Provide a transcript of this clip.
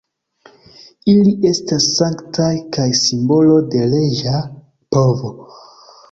Ili estas sanktaj kaj simbolo de reĝa povo.